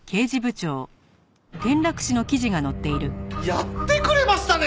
やってくれましたね